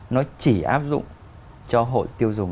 nó chỉ áp dụng cho hộ tiêu dùng